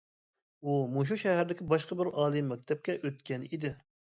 ئۇ مۇشۇ شەھەردىكى باشقا بىر ئالىي مەكتەپكە ئۆتكەن ئىدى.